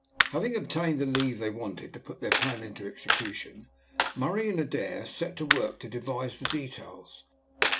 Having obtained the leave they wanted to put their plan into execution, Murray and Adair set to work to devise the details.